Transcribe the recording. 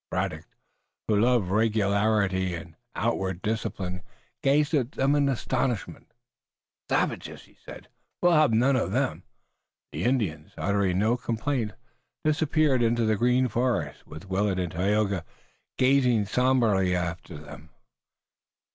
Braddock, who loved regularity and outward discipline, gazed at them in astonishment. "Savages!" he said. "We will have none of them!" The Indians, uttering no complaint, disappeared in the green forest, with Willet and Tayoga gazing somberly after them.